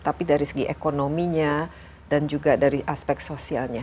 tapi dari segi ekonominya dan juga dari aspek sosialnya